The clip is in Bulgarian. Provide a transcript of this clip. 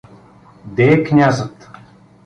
— Де е князът?